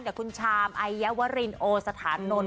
กับคุณชามไอยวรินโอสถานนนท์